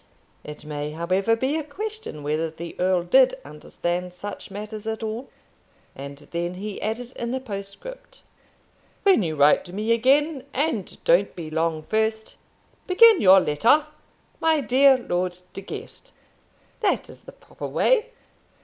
It may, however, be a question whether the earl did understand such matters at all. And then he added, in a postscript: "When you write to me again, and don't be long first, begin your letter, 'My dear Lord De Guest,' that is the proper way."